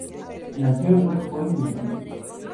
Nació en West Point, Mississippi.